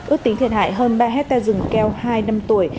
ước tính thiệt hại hơn ba hectare rừng keo hai năm tuổi